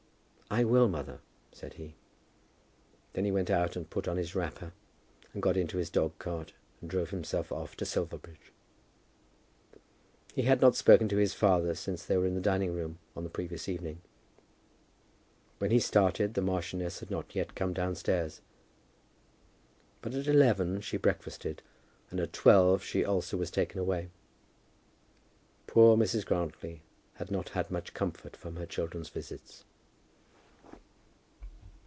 "I will, mother," said he. Then he went out and put on his wrapper, and got into his dog cart, and drove himself off to Silverbridge. He had not spoken to his father since they were in the dining room on the previous evening. When he started, the marchioness had not yet come downstairs; but at eleven she breakfasted, and at twelve she also was taken away. Poor Mrs. Grantly had not had much comfort from her children's visits.